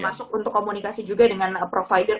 termasuk untuk komunikasi juga dengan provider provider